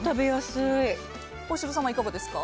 幸四郎さんはいかがですか。